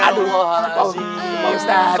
aduh maaf maaf sih pak ustadz